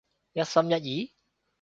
一心一意？